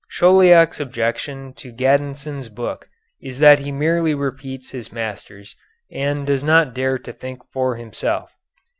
Chauliac's objection to Gaddesden's book is that he merely repeats his masters and does not dare to think for himself.